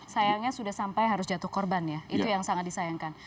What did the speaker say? sayangnya sudah sampai harus jatuh korban ya itu yang sangat disayangkan